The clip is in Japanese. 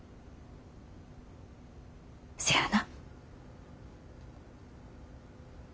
せやな。